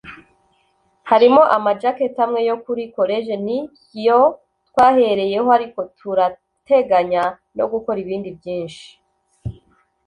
harimo ama jacket amwe yo muri college ni ibyo twahereyeho ariko turateganya no gukora ibindi byinshi”